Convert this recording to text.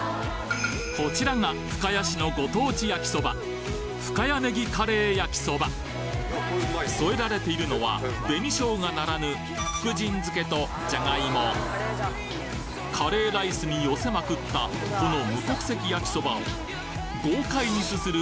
こちらが深谷市のご当地やきそば添えられているのは紅しょうがならぬカレーライスに寄せまくったこの無国籍やきそばを豪快にすする